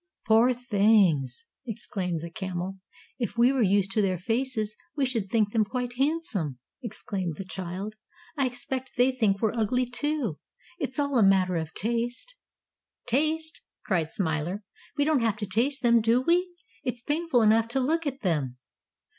"Poor things!" exclaimed the Camel. "If we were used to their faces, we should think them quite handsome," exclaimed the child. "I expect they think we're ugly, too. It's all a matter of taste." "Taste!" cried Smiler. "We don't have to taste them, do we? It's painful enough to look at them."